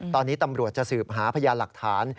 ตอนนี้ตำรวจจะสืบหาพยานหลักฐาน